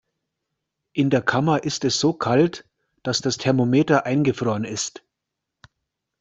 In der Kammer ist es so kalt, dass das Thermometer eingefroren ist.